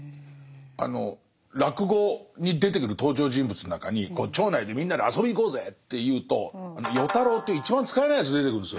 あの落語に出てくる登場人物の中に町内でみんなで遊びに行こうぜっていうと与太郎っていう一番使えないやつ出てくるんですよ。